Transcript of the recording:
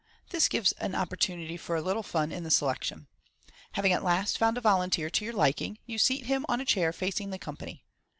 This gives an opportunity for a little fun in the selection. Having at last found a volunteer to your liking, you seat him on a chair facing the company.